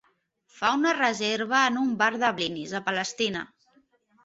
Fa una reserva en un bar de blinis a Palestina.